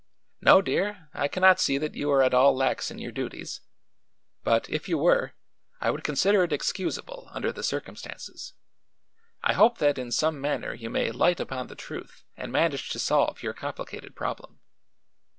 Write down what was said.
"No, dear; I cannot see that you are at all lax in your duties; but, if you were, I would consider it excusable under the circumstances. I hope that in some manner you may light upon the truth and manage to solve your complicated problem."